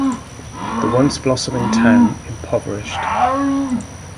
The once blossoming town impoverished.